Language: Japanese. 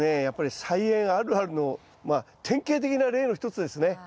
やっぱり菜園あるあるのまあ典型的な例の一つですね。